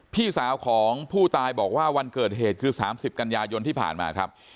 พี่สาวของผู้ตายบอกว่าวันเกิดเหตุคือ๓๐กันยายนที่ผ่านมาครับ